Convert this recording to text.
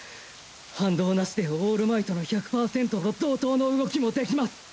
反動無しでオールマイトの１００％と同等の動きもできます！